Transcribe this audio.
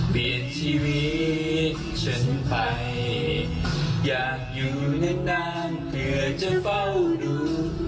เปลี่ยนชีวิตฉันไปอยากอยู่นานเผื่อจะเฝ้าดู